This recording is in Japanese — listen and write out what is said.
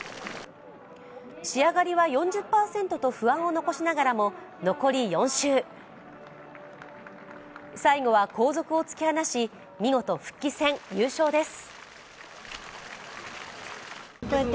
仕上がりは４０％と不安を残しながらも残り４周最後は後続を突き放し、見事、復帰戦優勝です。